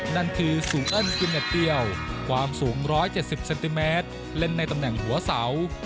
นั่นคือสูงเอิ้นกิเน็ตเดียวความสูง๑๗๐เซนติเมตรเล่นในตำแหน่งหัวเสา